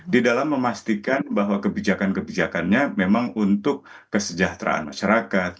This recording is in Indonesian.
di dalam memastikan bahwa kebijakan kebijakannya memang untuk kesejahteraan masyarakat